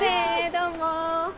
どうも。